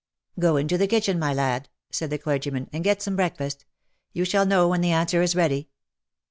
^•" Go into the kitchen, my lad," said the clergyman, " and get some breakfast. You shall know when the answer is ready."